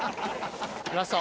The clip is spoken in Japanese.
ラスト。